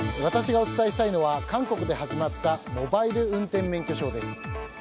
私がお伝えしたいのは韓国で始まったモバイル運転免許証です。